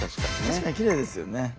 確かにきれいですよね。